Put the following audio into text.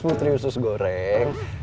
putri usus goreng